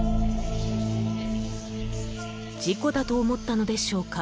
事故だと思ったのでしょうか？